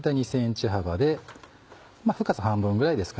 ２ｃｍ幅で深さ半分ぐらいですかね